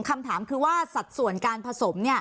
คำถามคือว่าสัดส่วนการผสม